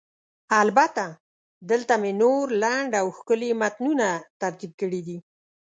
البته، دلته مې نور لنډ او ښکلي متنونه ترتیب کړي دي: